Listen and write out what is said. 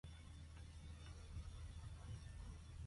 The National Archives have preserved all these cards.